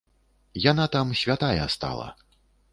Яна там святая стала.